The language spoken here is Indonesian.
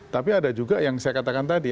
tapi ada juga yang saya katakan tadi